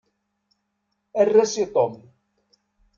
Err-as i Tom.